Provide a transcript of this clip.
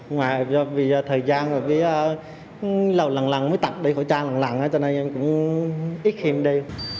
ngoài vì thời gian lần lần mới tặng đeo khẩu trang lần lần cho nên em cũng ít khiêm đi